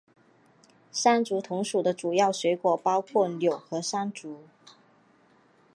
山竹同属的主要水果包括钮扣山竹。